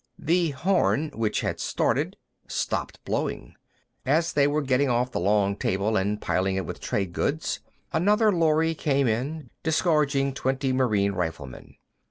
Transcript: The horn, which had started, stopped blowing. As they were getting off the long table and piling it with trade goods, another lorry came in, disgorging twenty Marine riflemen.